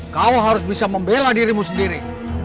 kau harus bisa membela dirimu sendiri